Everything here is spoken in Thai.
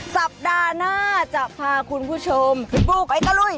สัปดาห์หน้าจะพาคุณผู้ชมบุกไปกะลุย